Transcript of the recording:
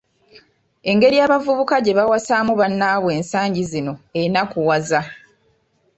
Engeri abavubuka gye bawasaamu bannaabwe ensangi zino enakuwaza.